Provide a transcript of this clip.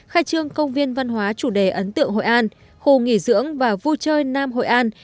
khai trương công viên văn hóa chủ đề ấn tượng hội an khu nghỉ dưỡng và vui chơi nam hội an